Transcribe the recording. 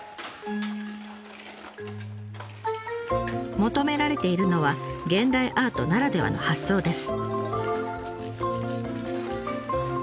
求められているのは現代アートならではの発想です。